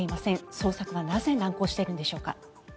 捜索はなぜ難航しているんでしょうか。